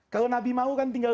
kalau nabi mau kan tinggal